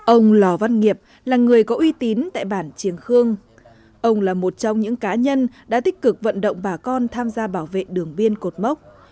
ông lò văn nghiệp là người có uy tín tại bản triềng khương ông là một trong những cá nhân đã tích cực vận động bà con tham gia bảo vệ đường biên cột mốc